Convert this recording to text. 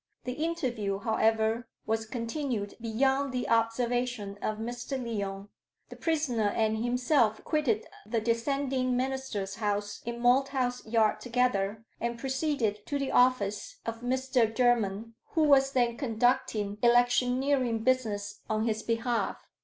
The interview, however, was continued beyond the observation of Mr. Lyon. The prisoner and himself quitted the Dissenting minister's house in Malthouse Yard together, and proceeded to the office of Mr. Jermyn, who was then conducting electioneering business on his behalf.